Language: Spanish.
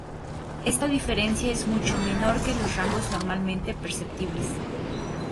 Esta diferencia es mucho menor que los rangos normalmente perceptibles.